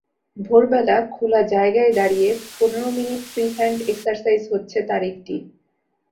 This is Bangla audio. ভোরবেলা খোলা জায়গায় দাঁড়িয়ে পনের মিনিট ফ্রি-হ্যান্ড একসারসাইজ হচ্ছে তার একটি।